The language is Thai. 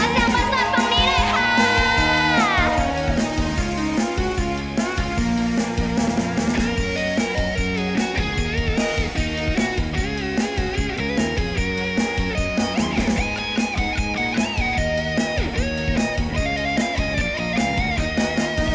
มาแจ้งมันส่วนตรงนี้เลยค่ะ